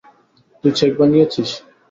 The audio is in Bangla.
তুই চেক ভাঙিয়েছিস?